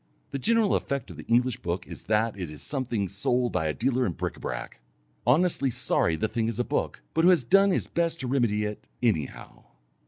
The general effect of the English book is that it is something sold by a dealer in bric à brac, honestly sorry the thing is a book, but who has done his best to remedy it, anyhow!